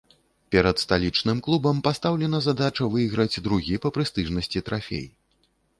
Перад сталічным клубам пастаўлена задача выйграць другі па прэстыжнасці трафей.